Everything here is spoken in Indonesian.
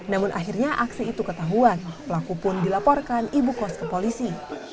namun akhirnya aksi itu ketahuan pelaku pun dilaporkan ibu kos ke polisi